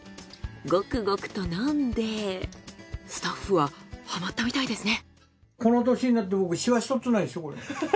ゴクゴクと飲んでスタッフはハマったみたいですね。